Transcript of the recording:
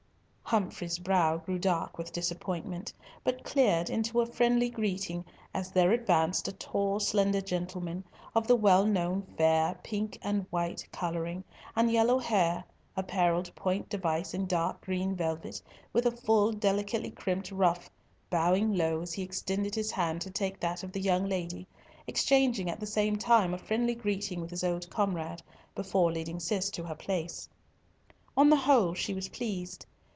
Humfrey's brow grew dark with disappointment, but cleared into a friendly greeting, as there advanced a tall, slender gentleman, of the well known fair, pink and white colouring, and yellow hair, apparelled point device in dark green velvet, with a full delicately crimped ruff, bowing low as he extended his hand to take that of the young lady, exchanging at the same time a friendly greeting with his old comrade, before leading Cis to her place. On the whole, she was pleased.